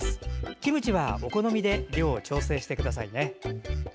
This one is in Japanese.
キムチはお好みで量を調整してくださいね。